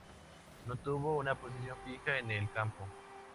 No tuvo una posición fija en el campo.